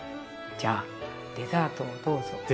じゃデザートをどうぞ。